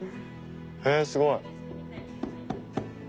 へえすごい。